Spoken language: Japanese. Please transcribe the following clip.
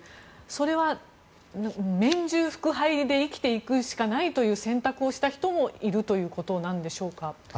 それは年中腹背で生きていくしかない選択をした人もいるということなんでしょうか。